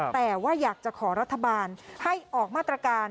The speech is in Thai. แต่ว่าอยากจะขอรัฐบาลให้ออกมาตรการ